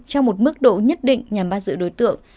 trong một mức độ nhất định nhằm bắt giữ đối tượng